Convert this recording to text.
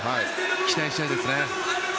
期待したいですね。